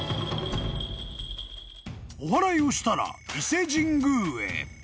［おはらいをしたら伊勢神宮へ］